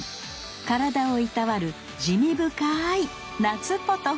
体をいたわる滋味深い「夏ポトフ」